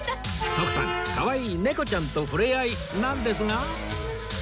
徳さんかわいい猫ちゃんとふれあいなんですが